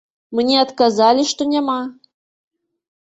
Мне адказалі, што няма.